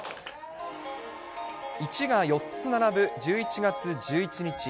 １が４つ並ぶ１１月１１日。